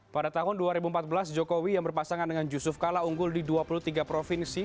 pada tahun dua ribu empat belas jokowi yang berpasangan dengan yusuf kala unggul di dua puluh tiga provinsi